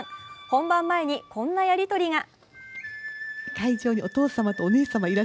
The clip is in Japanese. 本番前にこんなやりとりが。